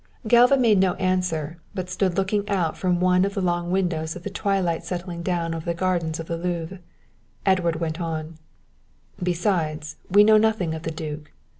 Galva made no answer, but stood looking out from one of the long windows at the twilight settling down over the gardens of the Louvre. Edward went on "Besides, we know nothing of the duke.